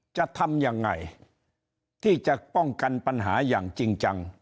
จะทำยังไงที่จะป้องกันปัญหาอย่างจริงจัง